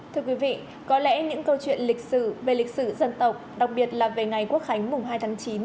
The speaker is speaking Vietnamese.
thưa quý vị có lẽ những câu chuyện lịch sử về lịch sử dân tộc đặc biệt là về ngày quốc khánh mùng hai tháng chín